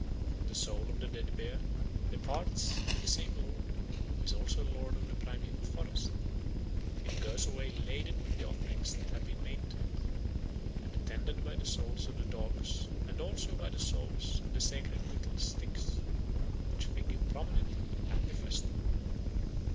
The soul of the dead bear departs to the same lord, who is also lord of the primaeval forest; it goes away laden with the offerings that have been made to it, and attended by the souls of the dogs and also by the souls of the sacred whittled sticks, which figure prominently at the festival.